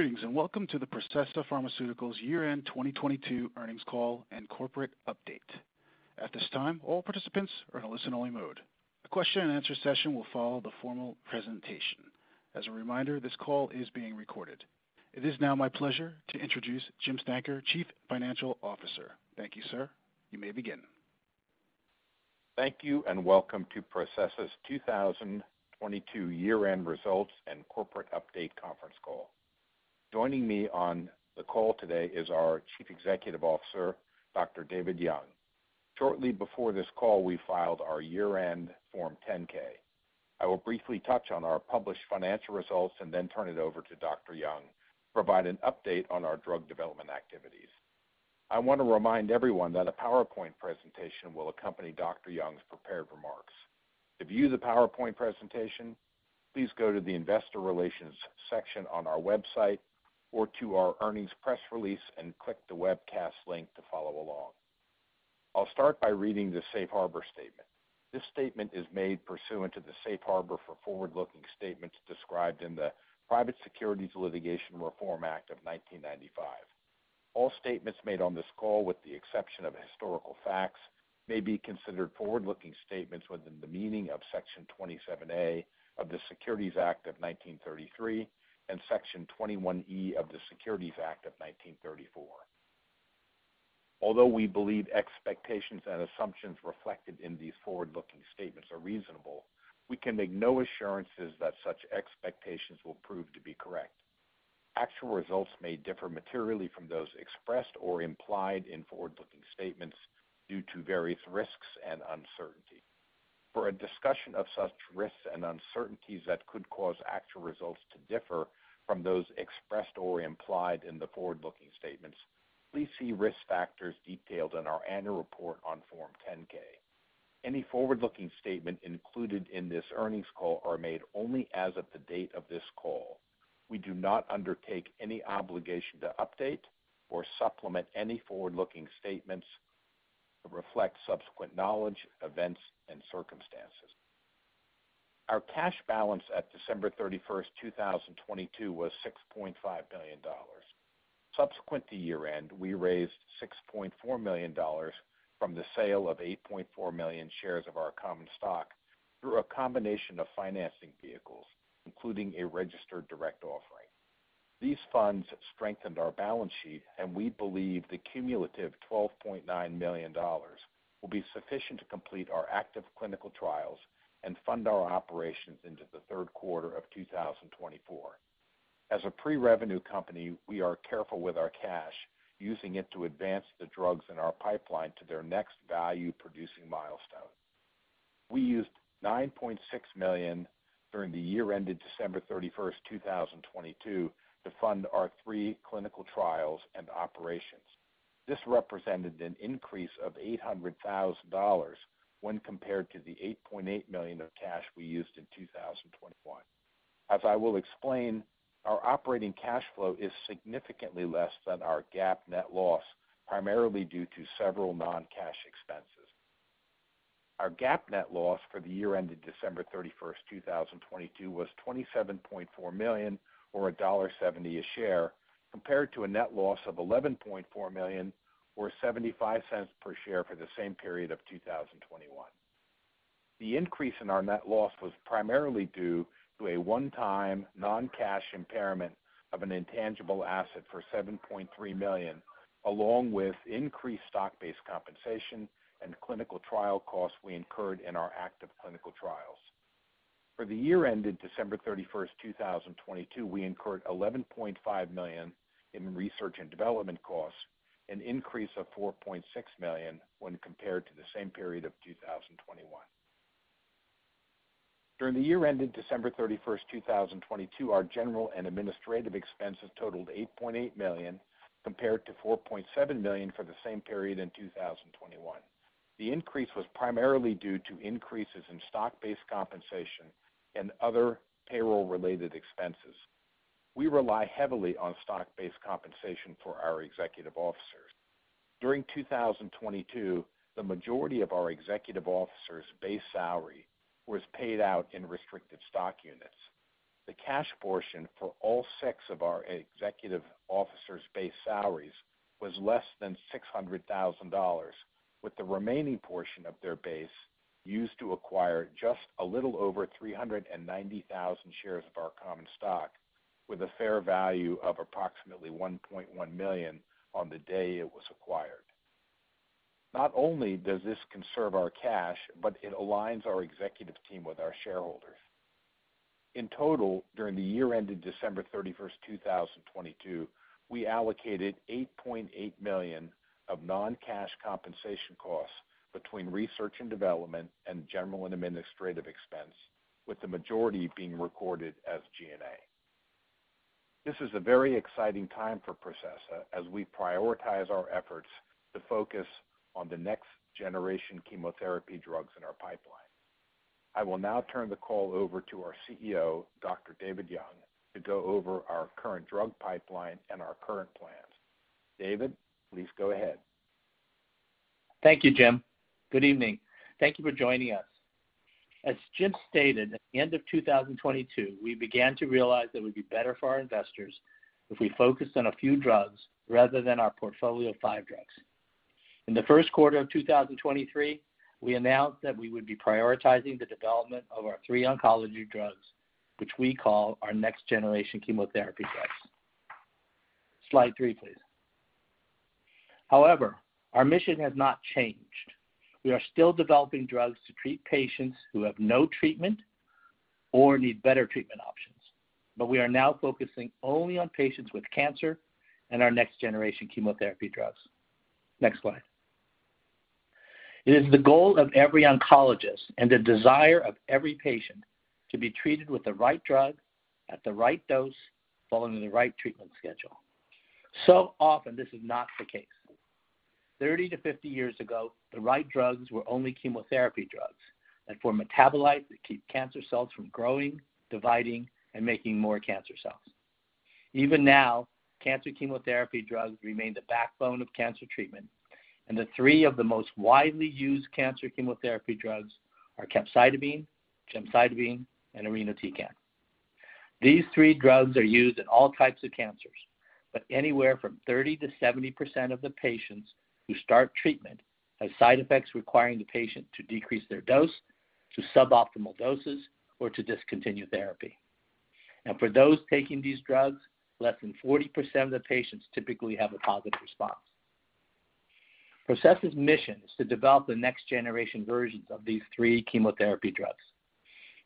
Greetings, welcome to the Processa Pharmaceuticals year-end 2022 earnings call and corporate update. At this time, all participants are in a listen-only mode. The question-and-answer session will follow the formal presentation. As a reminder, this call is being recorded. It is now my pleasure to introduce Jim Stanker, Chief Financial Officer. Thank you, sir. You may begin. Thank you. Welcome to Processa's 2022 year-end results and corporate update conference call. Joining me on the call today is our Chief Executive Officer, Dr. David Young. Shortly before this call, we filed our year-end Form 10-K. I will briefly touch on our published financial results. Then turn it over to Dr. Young to provide an update on our drug development activities. I want to remind everyone that a PowerPoint presentation will accompany Dr. Young's prepared remarks. To view the PowerPoint presentation, please go to the investor relations section on our website or to our earnings press release and click the webcast link to follow along. I'll start by reading the safe harbor statement. This statement is made pursuant to the safe harbor for forward-looking statements described in the Private Securities Litigation Reform Act of 1995. All statements made on this call, with the exception of historical facts, may be considered forward-looking statements within the meaning of Section 27A of the Securities Act of 1933 and Section 21E of the Securities Act of 1934. Although we believe expectations and assumptions reflected in these forward-looking statements are reasonable, we can make no assurances that such expectations will prove to be correct. Actual results may differ materially from those expressed or implied in forward-looking statements due to various risks and uncertainties. For a discussion of such risks and uncertainties that could cause actual results to differ from those expressed or implied in the forward-looking statements, please see risk factors detailed in our annual report on Form 10-K. Any forward-looking statement included in this earnings call is made only as of the date of this call. We do not undertake any obligation to update or supplement any forward-looking statements to reflect subsequent knowledge, events, and circumstances. Our cash balance at December 31, 2022 was $6.5 billion. Subsequent to year-end, we raised $6.4 million from the sale of 8.4 million shares of our common stock through a combination of financing vehicles, including a registered direct offering. These funds strengthened our balance sheet, and we believe the cumulative $12.9 million will be sufficient to complete our active clinical trials and fund our operations into the third quarter of 2024. As a pre-revenue company, we are careful with our cash, using it to advance the drugs in our pipeline to their next value-producing milestone. We used $9.6 million during the year ended December 31st, 2022 to fund our three clinical trials and operations. This represented an increase of $800,000 when compared to the $8.8 million of cash we used in 2021. As I will explain, our operating cash flow is significantly less than our GAAP net loss, primarily due to several non-cash expenses. Our GAAP net loss for the year ended December 31st, 2022 was $27.4 million or $1.70 a share, compared to a net loss of $11.4 million or $0.75 per share for the same period of 2021. The increase in our net loss was primarily due to a one-time non-cash impairment of an intangible asset for $7.3 million, along with increased stock-based compensation and clinical trial costs we incurred in our active clinical trials. For the year ended December thirty-first, 2022, we incurred $11.5 million in research and development costs, an increase of $4.6 million when compared to the same period of 2021. During the year ended December thirty-first, 2022, our general and administrative expenses totaled $8.8 million, compared to $4.7 million for the same period in 2021. The increase was primarily due to increases in stock-based compensation and other payroll-related expenses. We rely heavily on stock-based compensation for our executive officers. During 2022, the majority of our executive officers' base salary was paid out in restricted stock units. The cash portion for all six of our executive officers' base salaries was less than $600,000, with the remaining portion of their base used to acquire just a little over 390,000 shares of our common stock with a fair value of approximately $1.1 million on the day it was acquired. Not only does this conserve our cash, but it aligns our executive team with our shareholders. In total, during the year ended December 31, 2022, we allocated $8.8 million of non-cash compensation costs between research and development and general and administrative expense, with the majority being recorded as G&A. This is a very exciting time for Processa as we prioritize our efforts to focus on the Next Generation Chemotherapy drugs in our pipeline. I will now turn the call over to our CEO, Dr. David Young, to go over our current drug pipeline and our current plans. David, please go ahead. Thank you, Jim. Good evening. Thank you for joining us. As Jim stated, at the end of 2022, we began to realize that it would be better for our investors if we focused on a few drugs rather than our portfolio of 5 drugs. In the 1st quarter of 2023, we announced that we would be prioritizing the development of our 3 oncology drugs, which we call our Next Generation Chemotherapy drugs. Slide 3, please. Our mission has not changed. We are still developing drugs to treat patients who have no treatment or need better treatment options. We are now focusing only on patients with cancer and our Next Generation Chemotherapy drugs. Next slide. It is the goal of every oncologist and the desire of every patient to be treated with the right drug at the right dose following the right treatment schedule. Often this is not the case. 30 to 50 years ago, the right drugs were only chemotherapy drugs, and for metabolites that keep cancer cells from growing, dividing, and making more cancer cells. Even now, cancer chemotherapy drugs remain the backbone of cancer treatment, and the 3 of the most widely used cancer chemotherapy drugs are capecitabine, gemcitabine, and irinotecan. These 3 drugs are used in all types of cancers, but anywhere from 30%-70% of the patients who start treatment have side effects requiring the patient to decrease their dose to suboptimal doses or to discontinue therapy. For those taking these drugs, less than 40% of the patients typically have a positive response. Processa's mission is to develop the next generation versions of these 3 chemotherapy drugs.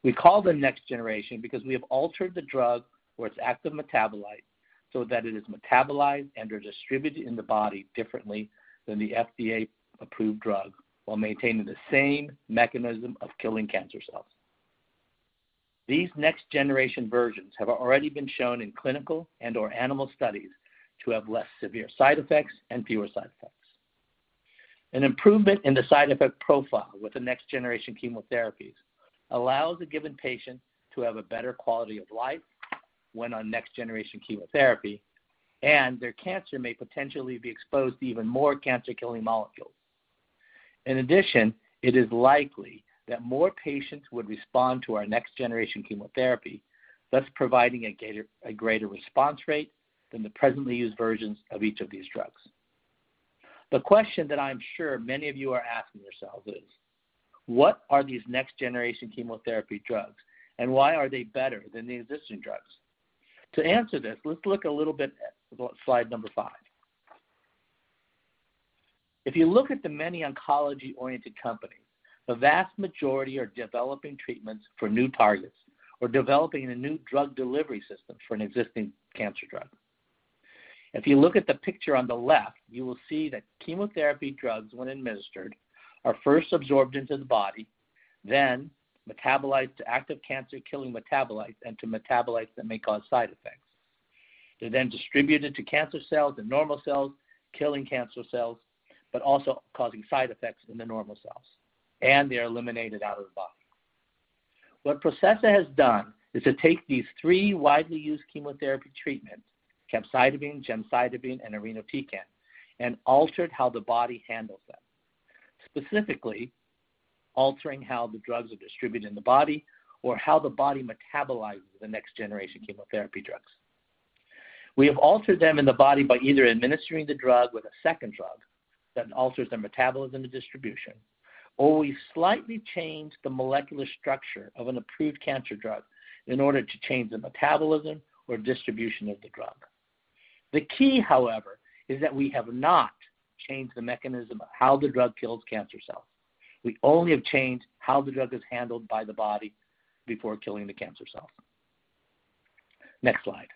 We call them Next Generation because we have altered the drug or its active metabolite so that it is metabolized and are distributed in the body differently than the FDA-approved drug while maintaining the same mechanism of killing cancer cells. These Next Generation versions have already been shown in clinical and/or animal studies to have less severe side effects and fewer side effects. An improvement in the side effect profile with the Next Generation Chemotherapies allows a given patient to have a better quality of life when on Next Generation Chemotherapy, and their cancer may potentially be exposed to even more cancer-killing molecules. In addition, it is likely that more patients would respond to our Next Generation Chemotherapy, thus providing a greater response rate than the presently used versions of each of these drugs. The question that I'm sure many of you are asking yourselves is, what are these Next Generation Chemotherapy drugs, and why are they better than the existing drugs? To answer this, let's look a little bit at slide number 5. If you look at the many oncology-oriented companies, the vast majority are developing treatments for new targets or developing a new drug delivery system for an existing cancer drug. If you look at the picture on the left, you will see that chemotherapy drugs, when administered, are first absorbed into the body, then metabolized to active cancer-killing metabolites and to metabolites that may cause side effects. They're then distributed to cancer cells and normal cells, killing cancer cells, but also causing side effects in the normal cells, and they are eliminated out of the body. What Processa has done is to take these three widely used chemotherapy treatments, capecitabine, gemcitabine, and irinotecan, and altered how the body handles them, specifically altering how the drugs are distributed in the body or how the body metabolizes the Next Generation Chemotherapy drugs. We have altered them in the body by either administering the drug with a second drug that alters their metabolism and distribution, or we've slightly changed the molecular structure of an approved cancer drug in order to change the metabolism or distribution of the drug. The key, however, is that we have not changed the mechanism of how the drug kills cancer cells. We only have changed how the drug is handled by the body before killing the cancer cells. Next slide.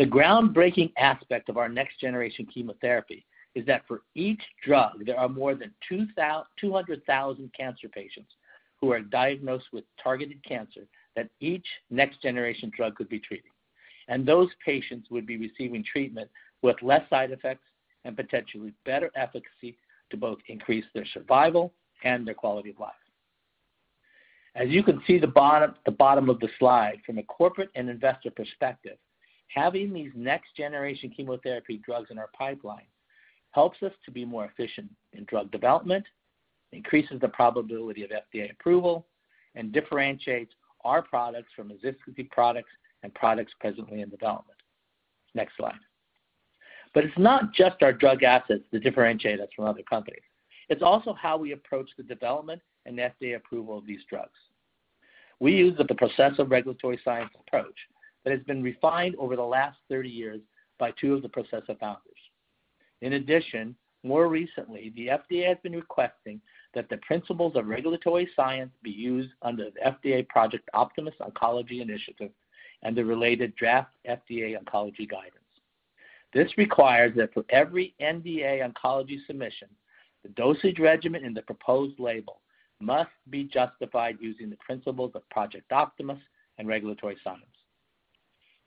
The groundbreaking aspect of our Next Generation Chemotherapy is that for each drug, there are more than 200,000 cancer patients who are diagnosed with targeted cancer that each Next Generation drug could be treating, and those patients would be receiving treatment with less side effects and potentially better efficacy to both increase their survival and their quality of life. As you can see the bottom of the slide, from a corporate and investor perspective, having these Next Generation Chemotherapy drugs in our pipeline helps us to be more efficient in drug development, increases the probability of FDA approval, and differentiates our products from existing products and products presently in development. Next slide. it's not just our drug assets that differentiate us from other companies. It's also how we approach the development and FDA approval of these drugs. We use the Processa Regulatory Science approach that has been refined over the last 30 years by two of the Processa founders. More recently, the FDA has been requesting that the principles of Regulatory Science be used under the FDA Project Optimus Oncology Initiative and the related draft FDA oncology guidance. This requires that for every NDA oncology submission, the dosage regimen in the proposed label must be justified using the principles of Project Optimus and Regulatory Science.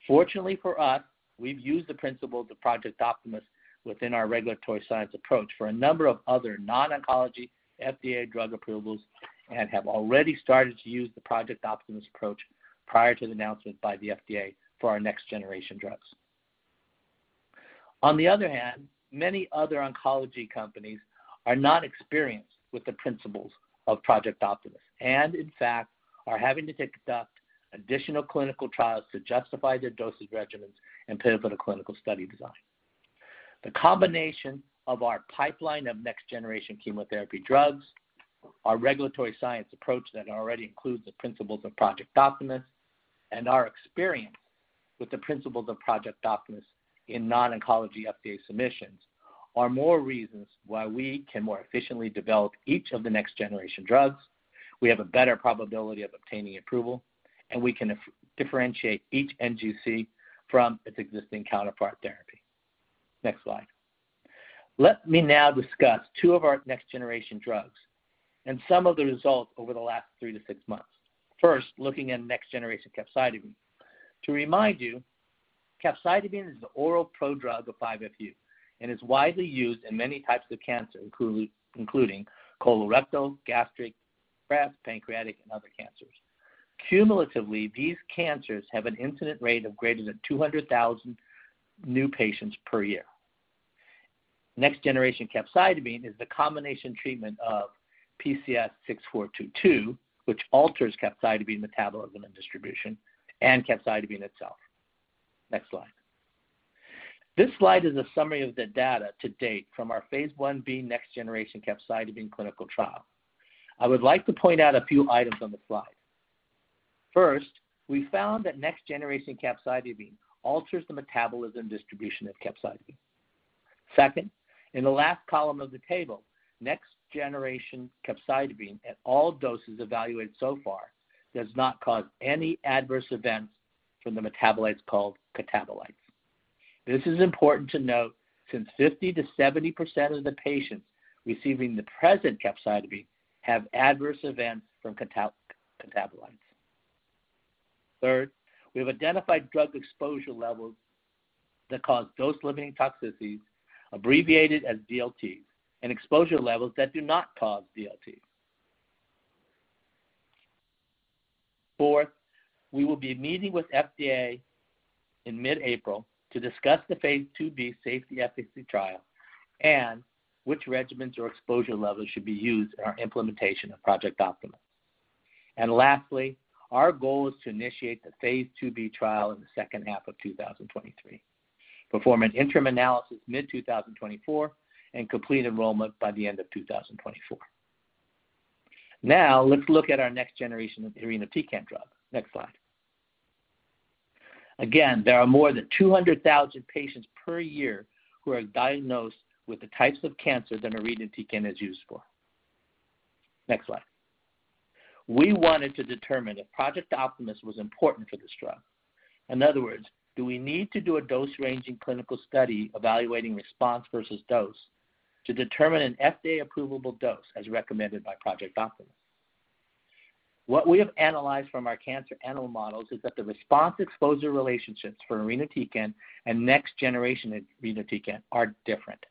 Fortunately for us, we've used the principles of Project Optimus within our regulatory science approach for a number of other non-oncology FDA drug approvals and have already started to use the Project Optimus approach prior to the announcement by the FDA for our Next Generation drugs. The other hand, many other oncology companies are not experienced with the principles of Project Optimus and, in fact, are having to conduct additional clinical trials to justify their dosage regimens and pivotal clinical study design. The combination of our pipeline of next-generation chemotherapy drugs, our regulatory science approach that already includes the principles of Project Optimus, and our experience with the principles of Project Optimus in non-oncology FDA submissions are more reasons why we can more efficiently develop each of the next-generation drugs, we have a better probability of obtaining approval, and we can differentiate each NGC from its existing counterpart therapy. Next slide. Let me now discuss two of our next-generation drugs and some of the results over the last three to six months. First, looking at next-generation capecitabine. To remind you, capecitabine is the oral prodrug of 5-FU and is widely used in many types of cancer, including colorectal, gastric, breast, pancreatic, and other cancers. Cumulatively, these cancers have an incident rate of greater than 200,000 new patients per year. Next-generation capecitabine is the combination treatment of PCS6422, which alters capecitabine metabolism and distribution, and capecitabine itself. Next slide. This slide is a summary of the data to date from our phase 1-B next-generation capecitabine clinical trial. I would like to point out a few items on the slide. First, we found that next-generation capecitabine alters the metabolism distribution of capecitabine. Second, in the last column of the table, next-generation capecitabine at all doses evaluated so far does not cause any adverse events from the metabolites called catabolites. This is important to note since 50%-70% of the patients receiving the present capecitabine have adverse events from catabolites. Third, we have identified drug exposure levels that cause dose-limiting toxicities, abbreviated as DLTs, and exposure levels that do not cause DLTs. Fourth, we will be meeting with FDA in mid-April to discuss the phase II-B safety efficacy trial and which regimens or exposure levels should be used in our implementation of Project Optimus. Lastly, our goal is to initiate the phase II-B trial in the second half of 2023, perform an interim analysis mid-2024, and complete enrollment by the end of 2024. Let's look at our next generation of irinotecan drug. Next slide. There are more than 200,000 patients per year who are diagnosed with the types of cancer that irinotecan is used for. Next slide. We wanted to determine if Project Optimus was important for this drug. In other words, do we need to do a dose-ranging clinical study evaluating response versus dose to determine an FDA-approvable dose as recommended by Project Optimus? What we have analyzed from our cancer animal models is that the response exposure relationships for irinotecan and Next Generation Irinotecan are different.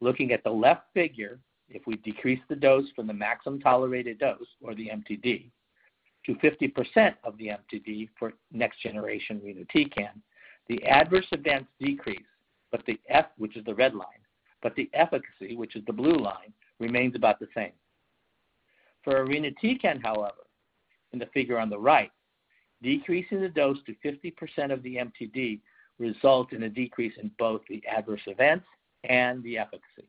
Looking at the left figure, if we decrease the dose from the maximum tolerated dose, or the MTD, to 50% of the MTD for Next Generation Irinotecan, the adverse events decrease, but which is the red line, the efficacy, which is the blue line, remains about the same. For irinotecan, however, in the figure on the right, decreasing the dose to 50% of the MTD result in a decrease in both the adverse events and the efficacy.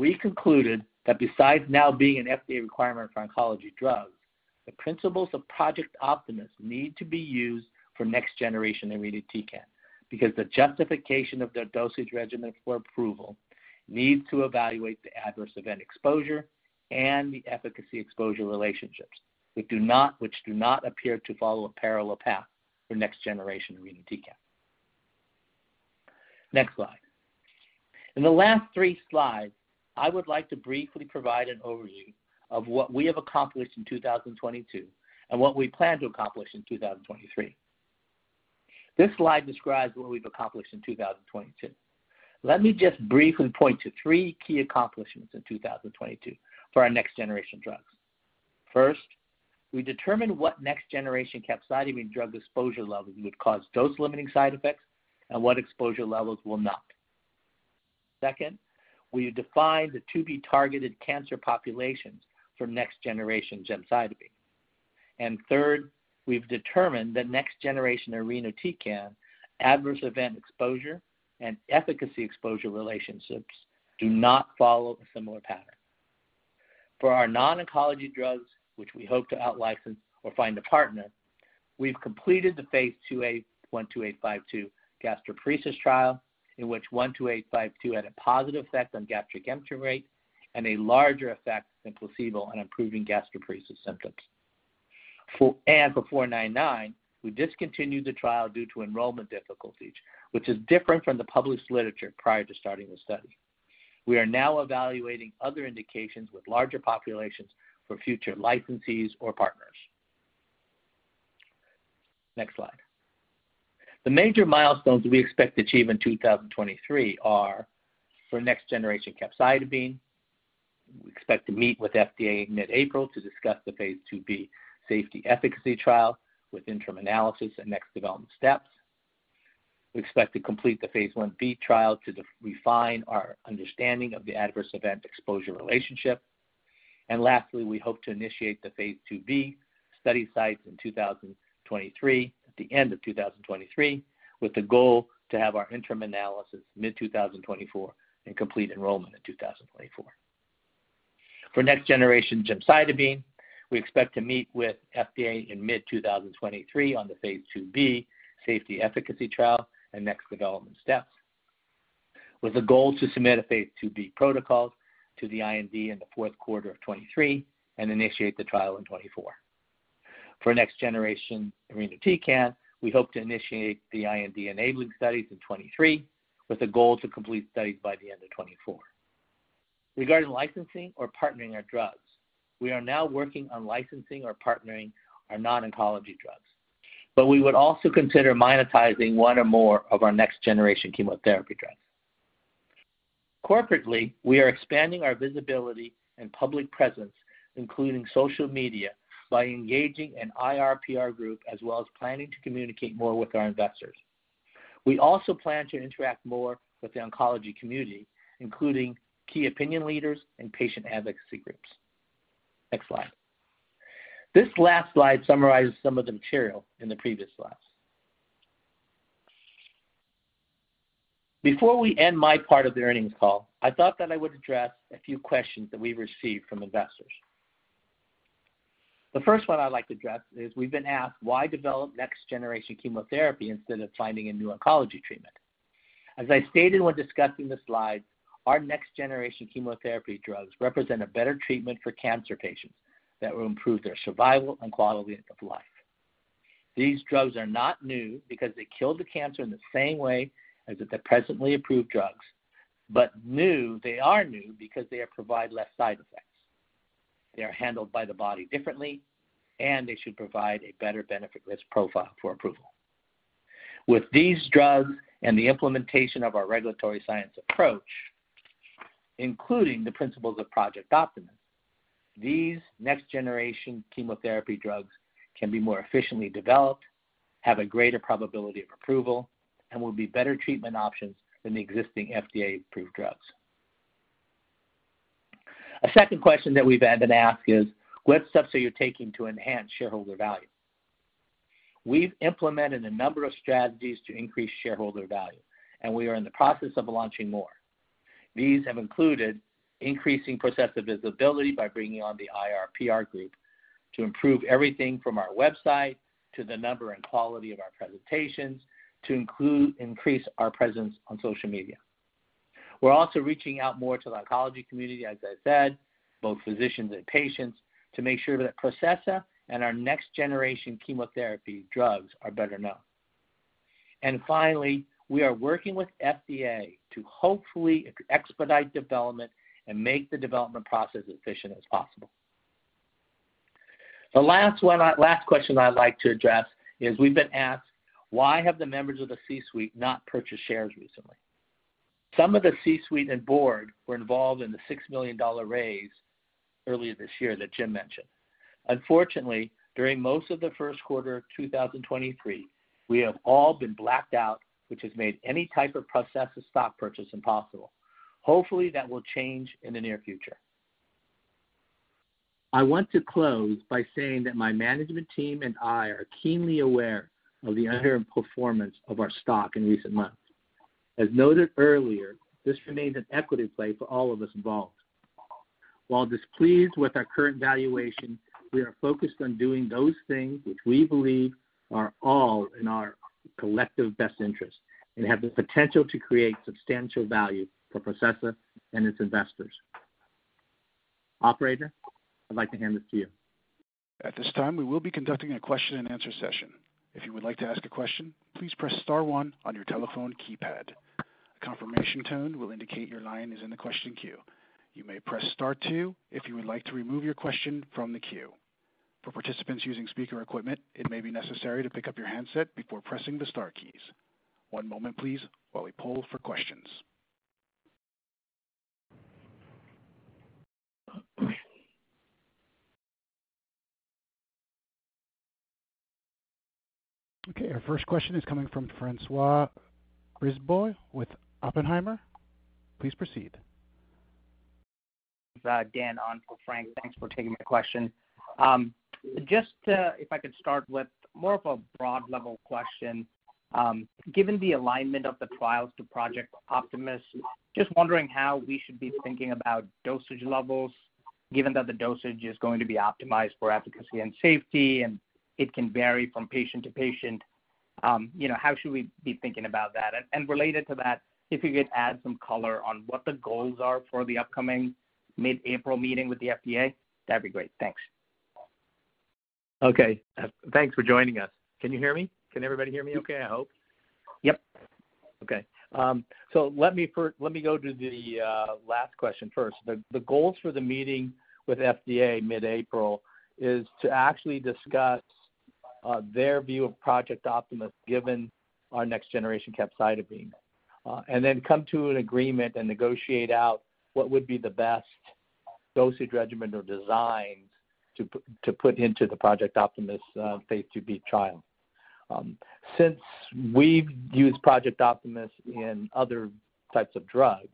We concluded that besides now being an FDA requirement for oncology drugs, the principles of Project Optimus need to be used for Next Generation Irinotecan because the justification of their dosage regimen for approval needs to evaluate the adverse event exposure and the efficacy exposure relationships, which do not appear to follow a parallel path for Next Generation Irinotecan. Next slide. In the last 3 slides, I would like to briefly provide an overview of what we have accomplished in 2022 and what we plan to accomplish in 2023. This slide describes what we've accomplished in 2022. Let me just briefly point to 3 key accomplishments in 2022 for our next-generation drugs. First, we determined what Next Generation Capecitabine drug exposure levels would cause dose-limiting side effects and what exposure levels will not. Second, we have defined the to-be targeted cancer populations for Next Generation Gemcitabine. Third, we've determined that Next Generation Irinotecan adverse event exposure and efficacy exposure relationships do not follow a similar pattern. For our non-oncology drugs, which we hope to out-license or find a partner, we've completed the phase II-A PCS12852 gastroparesis trial, in which PCS12852 had a positive effect on gastric emptying rate and a larger effect than placebo on improving gastroparesis symptoms. For PCS499, we discontinued the trial due to enrollment difficulties, which is different from the published literature prior to starting the study. We are now evaluating other indications with larger populations for future licensees or partners. Next slide. The major milestones we expect to achieve in 2023 are, for Next Generation Capecitabine. We expect to meet with FDA in mid-April to discuss the phase II-B safety efficacy trial with interim analysis and next development steps. We expect to complete the phase I-B trial to refine our understanding of the adverse event exposure relationship. Lastly, we hope to initiate the phase II-B study sites in 2023, at the end of 2023, with the goal to have our interim analysis mid-2024 and complete enrollment in 2024. For Next Generation Gemcitabine, we expect to meet with FDA in mid-2023 on the phase II-B safety efficacy trial and next development steps, with a goal to submit a phase II-B protocol to the IND in the fourth quarter of 2023 and initiate the trial in 2024. For Next Generation Irinotecan, we hope to initiate the IND enabling studies in 2023, with a goal to complete studies by the end of 2024. Regarding licensing or partnering our drugs, we are now working on licensing or partnering our non-oncology drugs. We would also consider monetizing one or more of our Next Generation Chemotherapy drugs. Corporately, we are expanding our visibility and public presence, including social media, by engaging an IR/PR group, as well as planning to communicate more with our investors. We also plan to interact more with the oncology community, including key opinion leaders and patient advocacy groups. Next slide. This last slide summarizes some of the material in the previous slides. Before we end my part of the earnings call, I thought that I would address a few questions that we received from investors. The first one I'd like to address is we've been asked why develop Next Generation Chemotherapy instead of finding a new oncology treatment. I stated when discussing the slides, our Next Generation Chemotherapy drugs represent a better treatment for cancer patients that will improve their survival and quality of life. These drugs are not new because they kill the cancer in the same way as the presently approved drugs, they are new because they provide less side effects. They are handled by the body differently, and they should provide a better benefit risk profile for approval. With these drugs and the implementation of our Regulatory Science approach, including the principles of Project Optimus, these Next Generation Chemotherapy drugs can be more efficiently developed, have a greater probability of approval, and will be better treatment options than the existing FDA-approved drugs. A second question that we've been asked is what steps are you taking to enhance shareholder value? We've implemented a number of strategies to increase shareholder value. We are in the process of launching more. These have included increasing Processa's visibility by bringing on the IR/PR group to improve everything from our website to the number and quality of our presentations, to increase our presence on social media. We're also reaching out more to the oncology community, as I said, both physicians and patients, to make sure that Processa and our Next Generation Chemotherapy drugs are better known. Finally, we are working with FDA to hopefully expedite development and make the development process as efficient as possible. The last question I'd like to address is we've been asked, why have the members of the C-suite not purchased shares recently? Some of the C-suite and board were involved in the $6 million raise earlier this year that Jim mentioned. Unfortunately, during most of the first quarter of 2023, we have all been blacked out, which has made any type of Processa stock purchase impossible. Hopefully, that will change in the near future. I want to close by saying that my management team and I are keenly aware of the underperformance of our stock in recent months. As noted earlier, this remains an equity play for all of us involved. While displeased with our current valuation, we are focused on doing those things which we believe are all in our collective best interest and have the potential to create substantial value for Processa and its investors. Operator, I'd like to hand this to you. At this time, we will be conducting a question and answer session. If you would like to ask a question, please press star one on your telephone keypad. A confirmation tone will indicate your line is in the question queue. You may press Star two if you would like to remove your question from the queue. For participants using speaker equipment, it may be necessary to pick up your handset before pressing the star keys. One moment please while we poll for questions. Our first question is coming from François Brisebois with Oppenheimer. Please proceed. Dan on for Frank. Thanks for taking my question. Just, if I could start with more of a broad level question. Given the alignment of the trials to Project Optimus, just wondering how we should be thinking about dosage levels, given that the dosage is going to be optimized for efficacy and safety, and it can vary from patient to patient. You know, how should we be thinking about that? Related to that, if you could add some color on what the goals are for the upcoming mid-April meeting with the FDA, that'd be great. Thanks. Okay. Thanks for joining us. Can you hear me? Can everybody hear me okay, I hope? Yep. Let me go to the last question first. The goals for the meeting with FDA mid-April is to actually discuss their view of Project Optimus, given our Next Generation Capecitabine. Come to an agreement and negotiate out what would be the best dosage regimen or designs to put into the Project Optimus phase II-B trial. Since we've used Project Optimus in other types of drugs,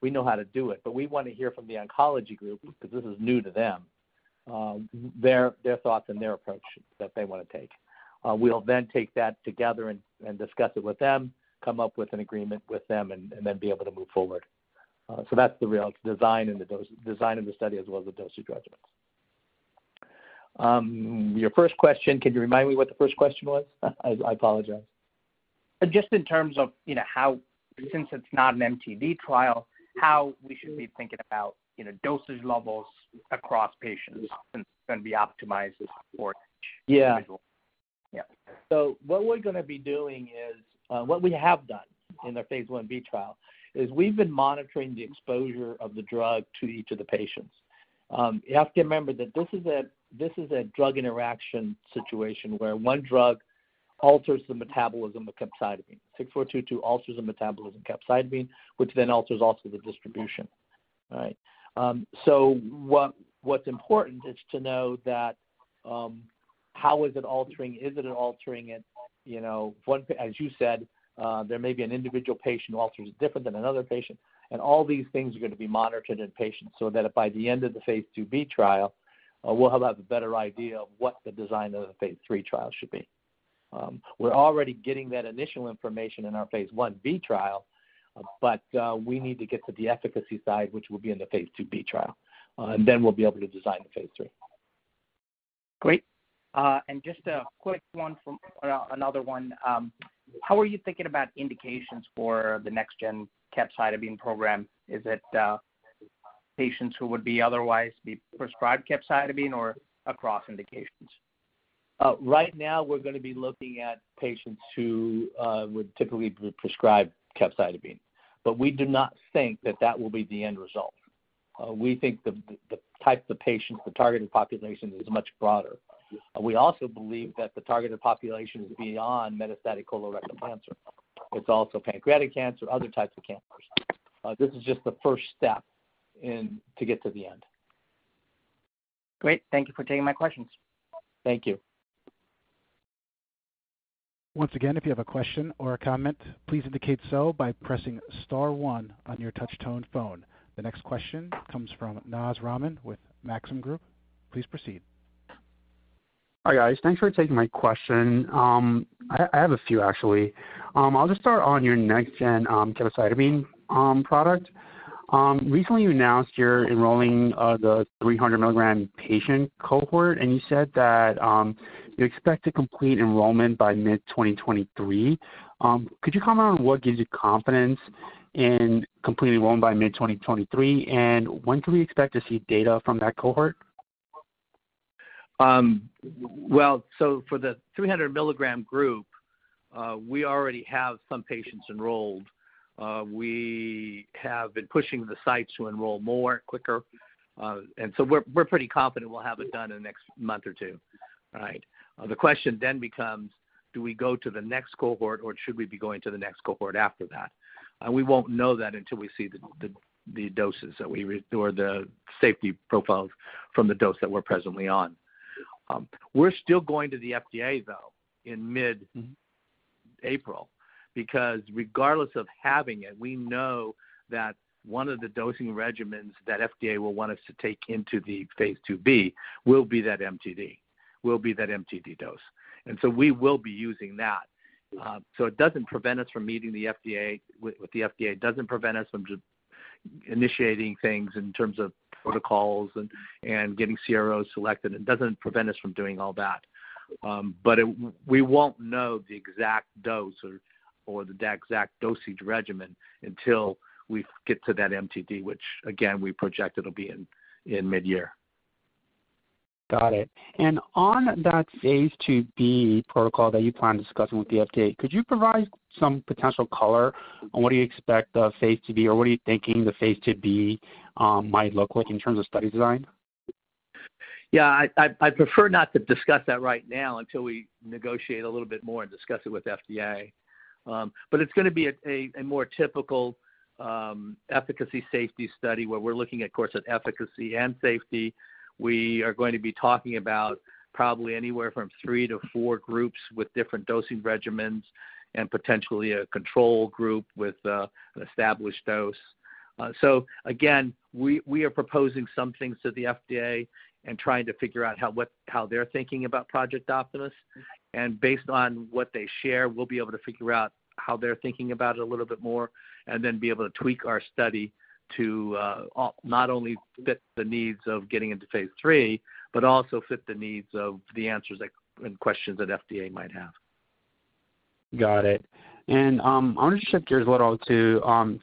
we know how to do it, but we wanna hear from the oncology group, because this is new to them, their thoughts and their approach that they wanna take. We'll take that together and discuss it with them, come up with an agreement with them, and be able to move forward. That's the real design and the design of the study as well as the dosage regimens. Your first question, can you remind me what the first question was? I apologize. Just in terms of, you know, since it's not an MTD trial, how we should be thinking about, you know, dosage levels across patients since it's gonna be optimized for each individual. Yeah. What we're gonna be doing is, what we have done in our phase I-B trial is we've been monitoring the exposure of the drug to each of the patients. You have to remember that this is a drug interaction situation where one drug alters the metabolism of capecitabine. PCS6422 alters the metabolism capecitabine, which then alters also the distribution. All right. What's important is to know that, how is it altering? Is it altering it? You know, as you said, there may be an individual patient who alters different than another patient, and all these things are gonna be monitored in patients so that by the end of the phase II-B trial, we'll have a better idea of what the design of the phase III trial should be. We're already getting that initial information in our phase I-B trial, but we need to get to the efficacy side, which will be in the phase II-B trial. We'll be able to design the phase III. Great. just a quick one from another one. How are you thinking about indications for the Next Gen Capecitabine program? Is it patients who would be otherwise be prescribed capecitabine or across indications? Right now we're gonna be looking at patients who would typically be prescribed capecitabine, but we do not think that that will be the end result. We think the types of patients, the targeted population is much broader. Yes. We also believe that the targeted population is beyond metastatic colorectal cancer. It's also pancreatic cancer, other types of cancers. This is just the first step in to get to the end. Great. Thank you for taking my questions. Thank you. Once again, if you have a question or a comment, please indicate so by pressing star 1 on your touch tone phone. The next question comes from Naz Rahman with Maxim Group. Please proceed. Hi, guys. Thanks for taking my question. I have a few actually. I'll just start on your Next Gen Capecitabine product. Recently you announced you're enrolling the 300 milligram patient cohort, and you said that you expect to complete enrollment by mid 2023. Could you comment on what gives you confidence in completing enrollment by mid 2023, and when can we expect to see data from that cohort? Well, for the 300 milligram group, we already have some patients enrolled. We have been pushing the sites to enroll more quicker, and so we're pretty confident we'll have it done in the next month or two. All right? The question then becomes, do we go to the next cohort, or should we be going to the next cohort after that? We won't know that until we see the doses that we or the safety profiles from the dose that we're presently on. We're still going to the FDA, though, in mid-April, because regardless of having it. We know that one of the dosing regimens that FDA will want us to take into the phase II-B will be that MTD dose. We will be using that. It doesn't prevent us from meeting the FDA, with the FDA. It doesn't prevent us from initiating things in terms of protocols and getting CROs selected. It doesn't prevent us from doing all that. We won't know the exact dose or the exact dosage regimen until we get to that MTD, which again, we project it'll be in mid-year. Got it. On that phase II-B protocol that you plan on discussing with the FDA, could you provide some potential color on what do you expect the phase II-B or what are you thinking the phase II-B might look like in terms of study design? Yeah, I'd prefer not to discuss that right now until we negotiate a little bit more and discuss it with FDA. It's gonna be a more typical efficacy safety study where we're looking of course at efficacy and safety. We are going to be talking about probably anywhere from 3 to 4 groups with different dosing regimens and potentially a control group with an established dose. Again, we are proposing some things to the FDA and trying to figure out how they're thinking about Project Optimus. Based on what they share, we'll be able to figure out how they're thinking about it a little bit more and then be able to tweak our study to not only fit the needs of getting into phase III, but also fit the needs of the answers and questions that FDA might have. Got it. I wanna shift gears a little to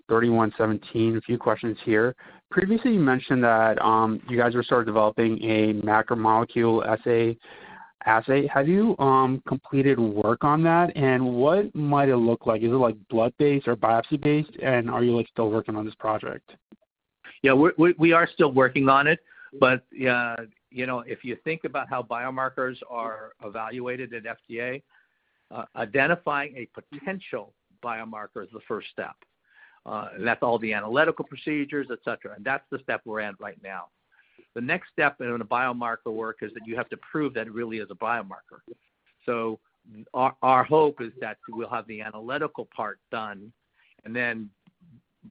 3117. A few questions here. Previously, you mentioned that you guys were sort of developing a macromolecule assay. Have you completed work on that, and what might it look like? Is it like blood-based or biopsy-based, and are you like still working on this project? Yeah, we're, we are still working on it, you know, if you think about how biomarkers are evaluated at FDA, identifying a potential biomarker is the first step. That's all the analytical procedures, et cetera, and that's the step we're at right now. The next step in the biomarker work is that you have to prove that it really is a biomarker. Our, our hope is that we'll have the analytical part done, then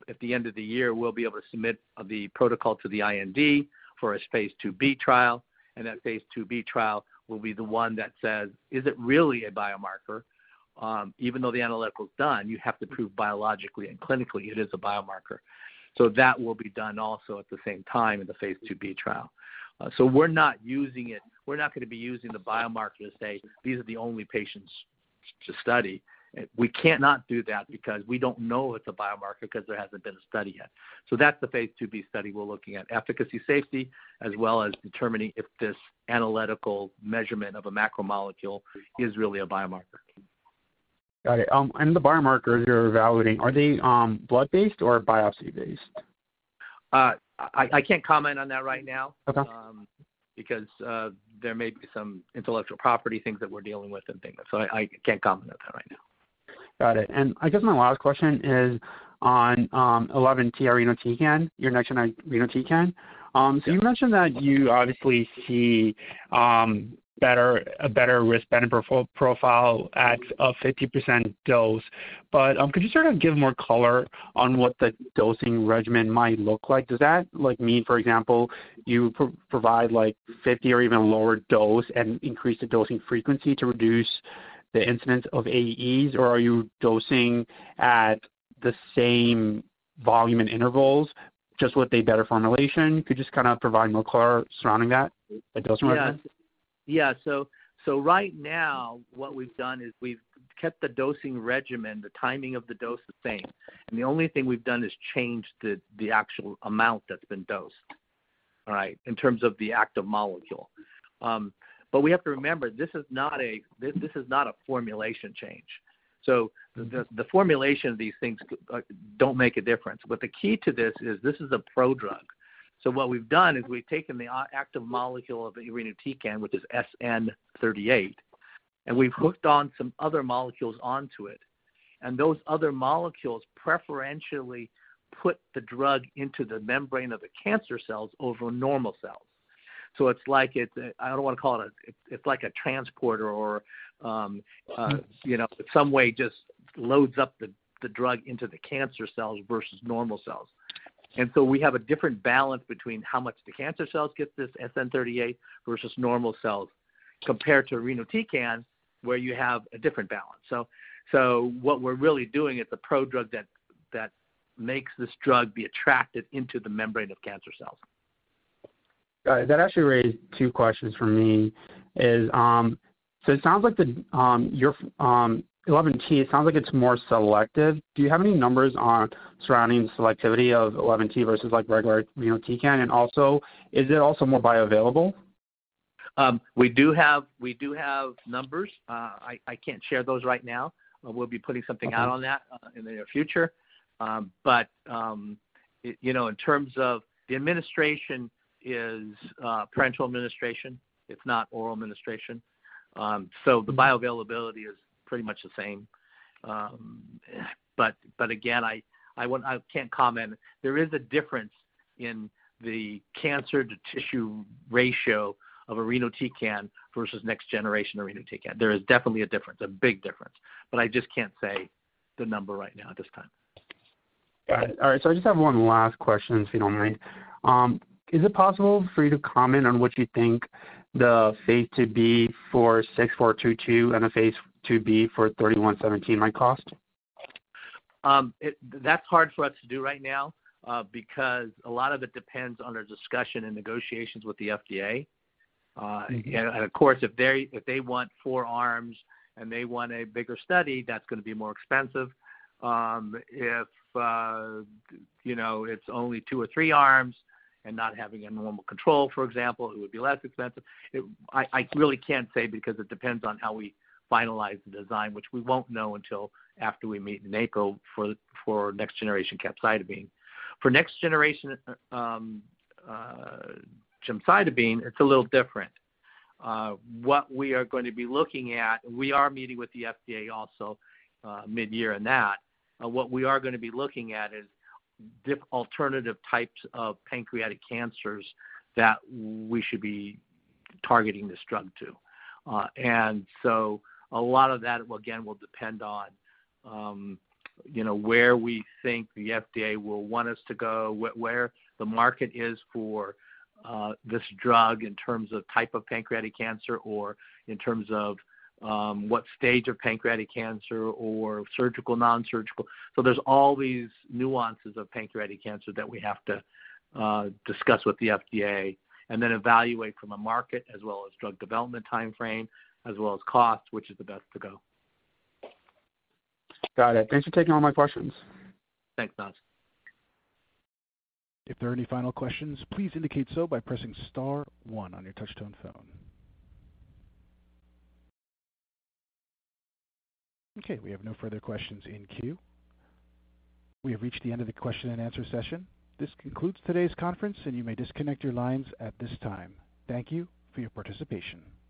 at the end of the year, we'll be able to submit the protocol to the IND for a phase II-B trial, and that phase II-B trial will be the one that says, "Is it really a biomarker?" Even though the analytical is done, you have to prove biologically and clinically it is a biomarker. That will be done also at the same time in the phase II-B trial. We're not using it. We're not going to be using the biomarker to say, "These are the only patients to study." We can't not do that because we don't know it's a biomarker because there hasn't been a study yet. That's the phase II-B study we're looking at, efficacy, safety, as well as determining if this analytical measurement of a macromolecule is really a biomarker. Got it. The biomarkers you're evaluating, are they blood-based or biopsy-based? I can't comment on that right now. Okay. Because, there may be some intellectual property things that we're dealing with and things, I can't comment on that right now. Got it. I guess my last question is on, PCS11T irinotecan, your next-gen irinotecan. Yeah. You mentioned that you obviously see better, a better risk benefit profile at a 50% dose. Could you sort of give more color on what the dosing regimen might look like? Does that, like, mean, for example, you provide, like, 50 or even lower dose and increase the dosing frequency to reduce the incidence of AEs? Or are you dosing at the same volume and intervals just with a better formulation? Could you just kinda provide more color surrounding that, the dosing regimen? Yeah. Yeah. Right now what we've done is we've kept the dosing regimen, the timing of the dose the same. The only thing we've done is change the actual amount that's been dosed, all right, in terms of the active molecule. We have to remember, this is not a formulation change. The formulation of these things don't make a difference. The key to this is this is a prodrug. What we've done is we've taken the active molecule of irinotecan, which is SN38, and we've hooked on some other molecules onto it, and those other molecules preferentially put the drug into the membrane of the cancer cells over normal cells. It's like it, I don't wanna call it... it's like a transporter or, you know, some way just loads up the drug into the cancer cells versus normal cells. We have a different balance between how much the cancer cells get this SN38 versus normal cells, compared to irinotecan, where you have a different balance. What we're really doing is the prodrug that makes this drug be attracted into the membrane of cancer cells. Got it. That actually raised two questions for me. Is, so it sounds like the, your, PCS11T, it sounds like it's more selective. Do you have any numbers on surrounding selectivity of PCS11T versus, like, regular irinotecan? Also, is it also more bioavailable? We do have numbers. I can't share those right now. We'll be putting something-. Okay. out on that in the near future. You know, in terms of the administration is parental administration. It's not oral administration. The bioavailability is pretty much the same. But again, I can't comment. There is a difference in the cancer to tissue ratio of irinotecan versus Next Generation Irinotecan. There is definitely a difference, a big difference, but I just can't say the number right now at this time. Got it. All right, I just have one last question, if you don't mind. Is it possible for you to comment on what you think the phase II-B for PCS6422 and the phase II-B for PCS3117 might cost? It's hard for us to do right now, because a lot of it depends on our discussion and negotiations with the FDA. Of course, if they want four arms and they want a bigger study, that's gonna be more expensive. If, you know, it's only two or three arms and not having a normal control, for example, it would be less expensive. I really can't say because it depends on how we finalize the design, which we won't know until after we meet with NACO for Next Generation Capecitabine. For Next Generation Gemcitabine, it's a little different. What we are gonna be looking at, we are meeting with the FDA also, mid-year on that. What we are gonna be looking at is alternative types of pancreatic cancers that we should be targeting this drug to. A lot of that, again, will depend on, you know, where we think the FDA will want us to go, where the market is for this drug in terms of type of pancreatic cancer or in terms of what stage of pancreatic cancer or surgical, non-surgical. There's all these nuances of pancreatic cancer that we have to discuss with the FDA and then evaluate from a market as well as drug development timeframe, as well as cost, which is the best to go. Got it. Thanks for taking all my questions. Thanks, Naz. If there are any final questions, please indicate so by pressing star 1 on your touchtone phone. Okay, we have no further questions in queue. We have reached the end of the question and answer session. This concludes today's conference. You may disconnect your lines at this time. Thank you for your participation. Thank you.